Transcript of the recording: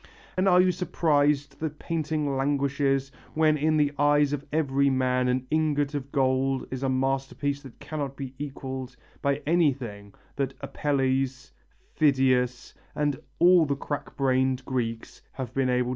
And are you surprised that painting languishes, when in the eyes of every man an ingot of gold is a masterpiece that cannot be equalled by anything that Apelles, Phidias and all the crack brained Greeks have been able to produce.